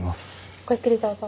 ごゆっくりどうぞ。